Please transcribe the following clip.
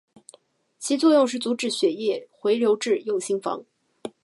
其作用是阻止血液回流至右心房。